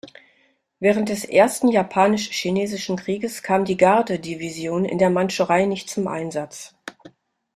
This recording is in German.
Während des Ersten Japanisch-Chinesischen Krieges kam die Gardedivision in der Mandschurei nicht zum Einsatz.